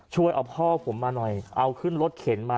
ช่วยเอาพ่อผมมาหน่อยเอาขึ้นรถเข็นมา